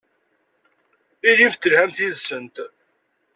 Ilimt telhamt yid-sent.